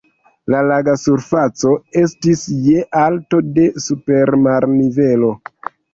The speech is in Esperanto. La laga surfaco estis je alto de super marnivelo.